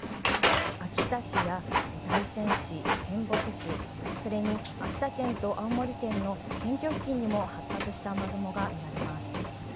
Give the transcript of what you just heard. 秋田市や大仙市、仙北市、それに秋田県と青森県の県境付近にも発達した雨雲が見られます。